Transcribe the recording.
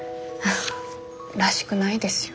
らしくないですよ。